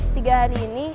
tiga hari ini